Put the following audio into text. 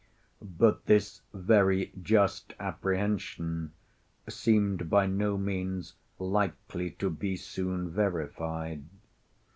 But this very just apprehension seemed by no means likely to be soon verified.